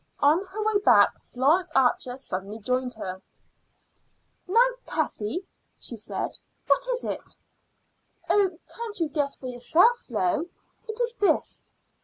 On her way back Florence Archer suddenly joined her. "Now, Cassie," she said, "what is it?" "Oh, can't you guess for yourself, Flo? It is this.